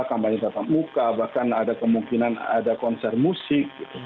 kampanye tatap muka bahkan ada kemungkinan ada konser musik